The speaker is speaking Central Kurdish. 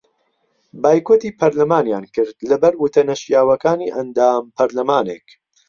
بایکۆتی پەرلەمانیان کرد لەبەر وتە نەشیاوەکانی ئەندام پەرلەمانێک